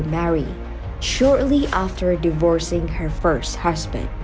kemudian setelah menemukan suami pertama